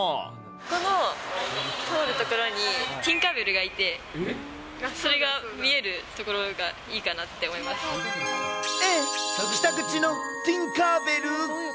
そこの通る所にティンカー・ベルがいて、それが見える所がいえっ、北口のティンカー・ベル？